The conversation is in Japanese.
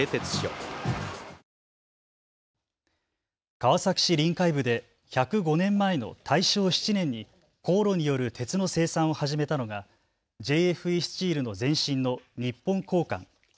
川崎市臨海部で１０５年前の大正７年に高炉による鉄の生産を始めたのがＪＦＥスチールの前身の日本鋼管。